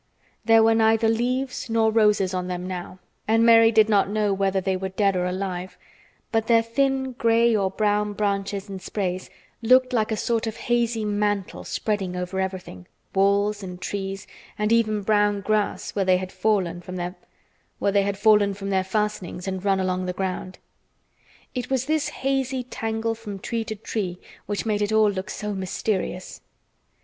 There were neither leaves nor roses on them now and Mary did not know whether they were dead or alive, but their thin gray or brown branches and sprays looked like a sort of hazy mantle spreading over everything, walls, and trees, and even brown grass, where they had fallen from their fastenings and run along the ground. It was this hazy tangle from tree to tree which made it all look so mysterious.